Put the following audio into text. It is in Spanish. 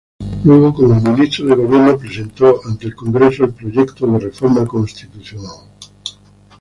Luego, como Ministro de Gobierno presentó ante el Congreso el proyecto de Reforma Constitucional.